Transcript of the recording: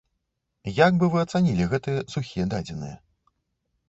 Як бы вы ацанілі гэтыя сухія дадзеныя?